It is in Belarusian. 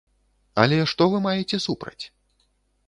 Але што вы маеце супраць?